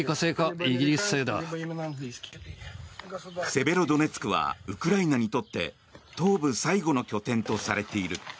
セベロドネツクはウクライナにとって東部最後の拠点とされている。